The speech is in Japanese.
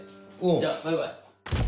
じゃバイバイ。